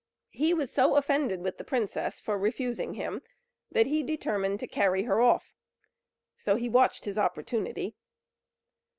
He was so offended with the princess for refusing him, that he determined to carry her off; so he watched his opportunity.